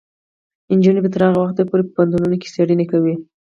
نجونې به تر هغه وخته پورې په پوهنتونونو کې څیړنې کوي.